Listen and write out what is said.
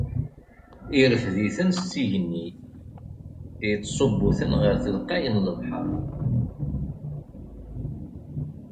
Ireffed-iten s igenni, ittṣubbu-ten ɣer telqay n lebḥer.